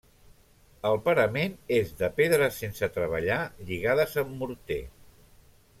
El parament és de pedres sense treballar lligades amb morter.